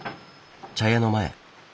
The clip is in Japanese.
茶屋の前。